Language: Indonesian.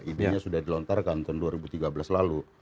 idenya sudah dilontarkan tahun dua ribu tiga belas lalu